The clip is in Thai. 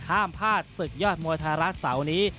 ห้ามพลาดศึกยอดมวยไทยรัฐเสาร์นี้